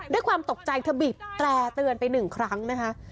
ด้วยความตกใจเธอบีบแตร่เตือนไปหนึ่งครั้งนะคะ